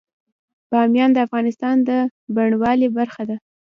بامیان د افغانستان د بڼوالۍ برخه ده.